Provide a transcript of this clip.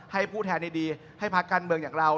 ผู้แทนดีให้พักการเมืองอย่างเรา